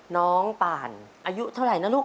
น้องป่านอายุเท่าไหร่นะลูก